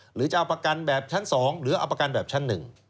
หรือจะเอาประกันแบบชั้น๒หรือเอาประกันแบบชั้น๑